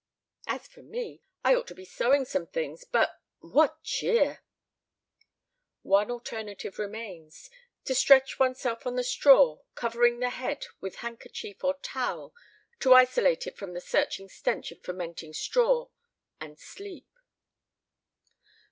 "As for me, I ought to be sewing some things, but what cheer!" One alternative remains to stretch oneself on the straw, covering the head with handkerchief or towel to isolate it from the searching stench of fermenting straw, and sleep.